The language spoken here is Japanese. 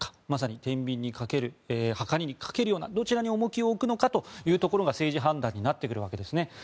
まさにてんびんにかけるはかりにかけるようなどちらに重きを置くのかというところが政治判断になってくるわけですね。